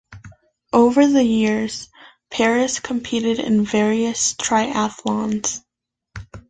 Over the years, Paris competed in various triathlons.